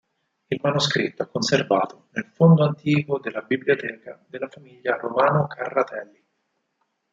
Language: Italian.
Il manoscritto è conservato nel Fondo Antico della Biblioteca della famiglia Romano-Carratelli.